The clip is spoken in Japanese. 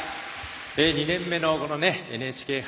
２年目のこのＮＨＫ杯。